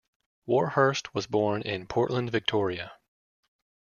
Warhurst was born in Portland, Victoria.